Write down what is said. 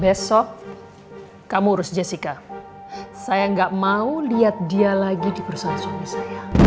besok kamu urus jessica saya enggak mau lihat dia lagi di perusahaan suami saya